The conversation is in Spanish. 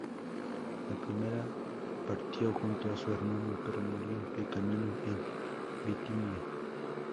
La primera partió junto a su hermano, pero murió de camino, en Bitinia.